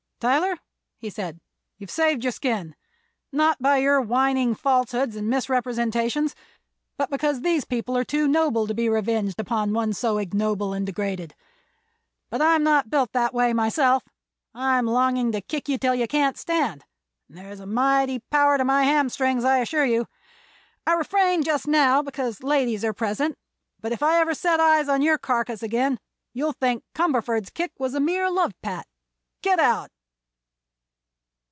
"Tyler," said he, "you've saved your skin. Not by your whining falsehoods and misrepresentations, but because these people are too noble to be revenged upon one so ignoble and degraded. But I'm not built that way myself. I'm longing to kick you till you can't stand, and there's a mighty power to my hamstrings, I assure you. I refrain just now, because ladies are present, but if I ever set eyes on your carcass again you'll think Cumberford's kick was a mere love pat. Get out!"